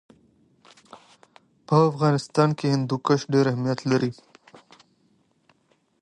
په افغانستان کې هندوکش ډېر اهمیت لري.